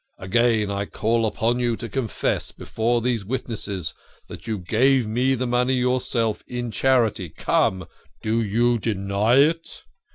Again I call upon you to confess before these witnesses that you gave me the money yourself in charity. Come ! Do you deny it?